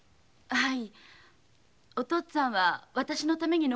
はい。